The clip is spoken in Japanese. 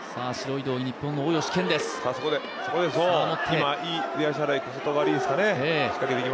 今、いい出足払い小外刈りですね。